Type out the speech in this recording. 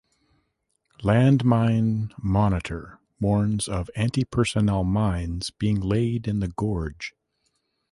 Landmine Monitor warns of antipersonnel mines being laid in the Gorge.